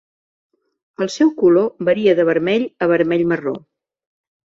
El seu color varia de vermell a vermell-marró.